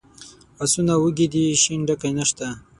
آسونه وږي دي شین ډکی نشته.